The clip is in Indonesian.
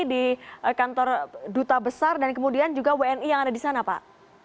di kantor duta besar dan kemudian juga wni yang ada di sana pak